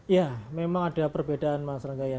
ya memang ada perbedaan masyarakat ya